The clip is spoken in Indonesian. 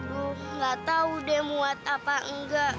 gue nggak tahu deh muat apa nggak